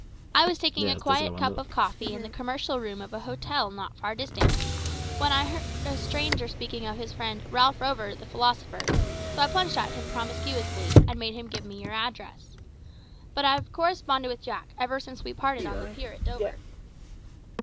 I was taking a quiet cup of coffee in the commercial room of a hotel not far distant, when I overheard a stranger speaking of his friend `Ralph Rover, the philosopher,' so I plunged at him promiscuously, and made him give me your address. But I've corresponded with Jack ever since we parted on the pier at Dover."